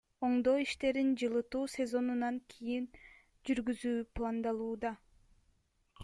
Оңдоо иштерин жылытуу сезонунан кийин жүргүзүү пландалууда.